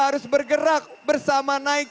harus bergerak bersama naik